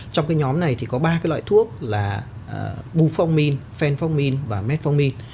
trong cái nhóm này thì có ba cái loại